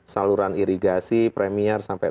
saluran irigasi premier sampai